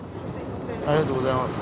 ありがとうございます。